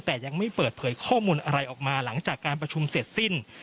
แต่ยังไม่เปิดเผยข้อมูลอะไรออกมาหลังจากการประชุมเสร็จสิ้น